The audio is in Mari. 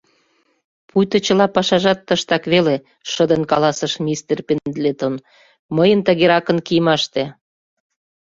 — Пуйто чыла пашажат тыштак веле, — шыдын каласыш мистер Пендлетон, — мыйын тыгеракын кийымаште!